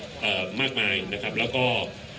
คุณผู้ชมไปฟังผู้ว่ารัฐกาลจังหวัดเชียงรายแถลงตอนนี้ค่ะ